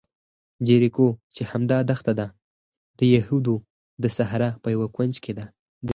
جیریکو چې همدا دښته ده، د یهودو د صحرا په یوه کونج کې دی.